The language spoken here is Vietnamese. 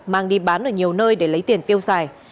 mang đi bán ở nhiều nơi để lấy tiền tiêu xài